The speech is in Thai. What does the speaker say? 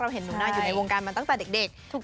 เห็นหนูอยู่ในวงการมาตั้งแต่เด็ก